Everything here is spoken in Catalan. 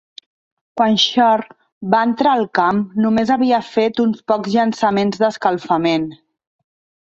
Quan Shore va entrar al camp, només havia fet uns pocs llançaments d'escalfament.